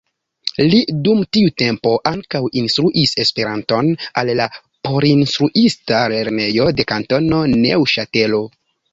Li dum tiu tempo ankaŭ instruis Esperanton al la porinstruista lernejo de Kantono Neŭŝatelo.